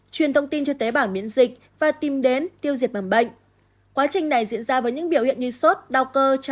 truyền thông tin cho tế bảo miễn dịch và tìm đến tiêu diệt bằng bệnh